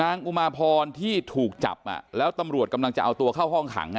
อุมาพรที่ถูกจับแล้วตำรวจกำลังจะเอาตัวเข้าห้องขัง